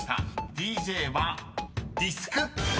［ＤＪはディスク］